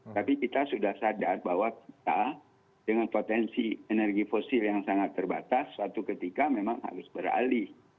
tapi kita sudah sadar bahwa kita dengan potensi energi fosil yang sangat terbatas suatu ketika memang harus beralih